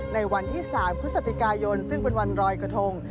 ในวันที่๓พฤศจิกายนซึ่งเป็นวันรอยกระทง